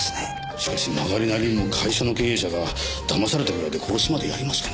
しかしまがりなりにも会社の経営者がだまされたぐらいで殺しまでやりますかね？